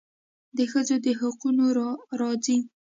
د ښځو د حقونو راځي.